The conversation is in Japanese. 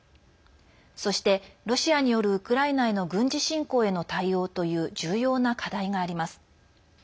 そしてロシアによるウクライナへの軍事侵攻への対応という重要な課題があります。